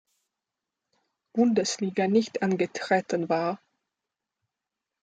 Bundesliga nicht angetreten war.